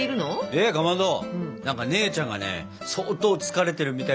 えっかまど何か姉ちゃんがね相当疲れてるみたいでね。